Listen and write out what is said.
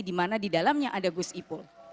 dimana di dalamnya ada gus ipul